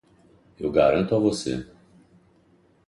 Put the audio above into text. Eu garanto a você.